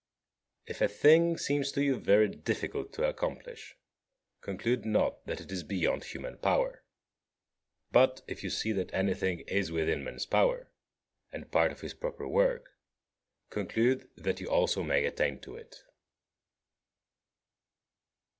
19. If a thing seems to you very difficult to accomplish, conclude not that it is beyond human power. But, if you see that anything is within man's power, and part of his proper work, conclude that you also may attain to it.